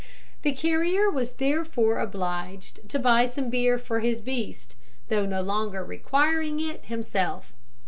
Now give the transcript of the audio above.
The carrier was therefore obliged to buy some beer for his beast, though no longer requiring it himself.